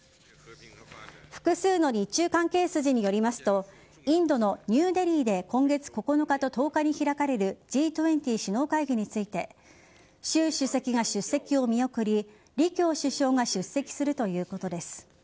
複数の日中関係筋によりますとインドのニューデリーで今月９日と１０日に開かれるＧ２０首脳会議について習主席が出席を見送り李強首相が出席するということです。